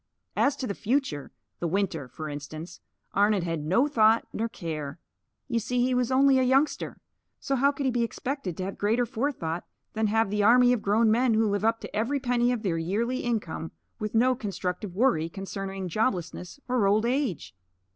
As to the future the winter, for instance Arnon had no thought nor care. You see, he was only a youngster. So how could he be expected to have greater forethought than have the army of grown men who live up to every penny of their yearly income, with no constructive worry concerning joblessness or old age?